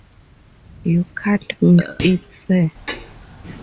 You can't miss it, sir.